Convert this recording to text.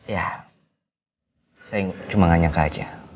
ya saya cuma gak nyangka aja